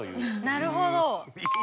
なるほど。